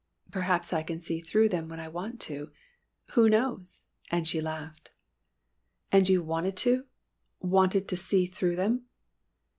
"Perhaps I can see through them when I want to who knows!" and she laughed. "And you wanted to wanted to see through them?"